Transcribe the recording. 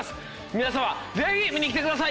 皆さまぜひ見に来てください。